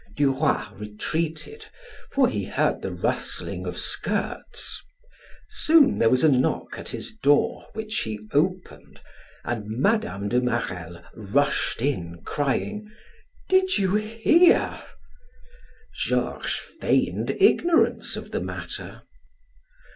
Duroy retreated, for he heard the rustling of skirts. Soon there was a knock at his door, which he opened, and Mme. de Marelle rushed in, crying: "Did you hear?" Georges feigned ignorance of the matter.